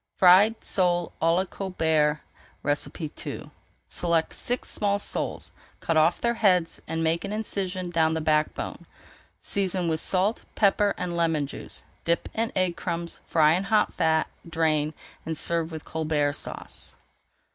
FRIED SOLE À LA COLBERT II Select six small soles, cut off their heads, and make an incision down the back bone. Season with salt, pepper, and lemon juice, dip in egg and crumbs, fry in hot fat, drain, and serve with Colbert Sauce.